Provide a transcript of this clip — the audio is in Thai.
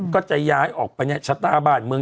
ก็จะย้ายออกไปชตบ้านเมือง